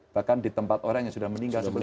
bahkan di tempat orang yang sudah meninggal